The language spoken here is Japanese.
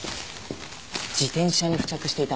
自転車に付着していた